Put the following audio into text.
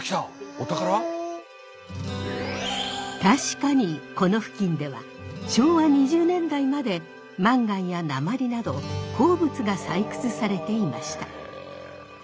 確かにこの付近では昭和２０年代までマンガンや鉛など鉱物が採掘されていました。